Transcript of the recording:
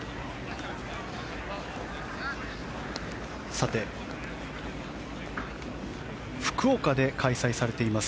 さて、福岡で開催されています